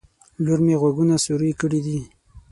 لور مې غوږونه سوروي کړي دي